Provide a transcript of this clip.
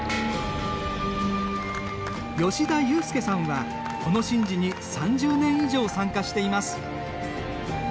吉田雄介さんは、この神事に３０年以上参加しています。